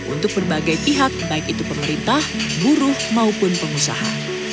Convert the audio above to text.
untuk berbagai pihak baik itu pemerintah buruh maupun pengusaha